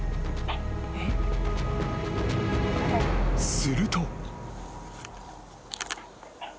［すると］